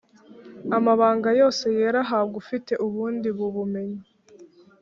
Amabanga yose yera ahabwa ufite ubundi bubumenyi